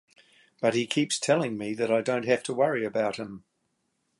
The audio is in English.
But he keeps telling me that I don't have to worry about him.